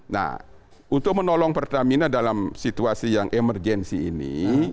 nah untuk menolong pertamina dalam situasi yang emergensi ini